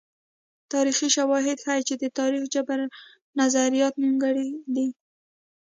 تاریخي شواهد ښيي چې د تاریخي جبر نظریات نیمګړي دي.